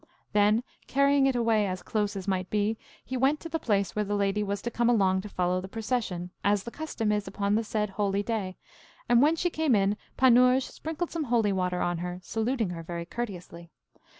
Then, carrying it away as close as might be, he went to the place where the lady was to come along to follow the procession, as the custom is upon the said holy day; and when she came in Panurge sprinkled some holy water on her, saluting her very courteously.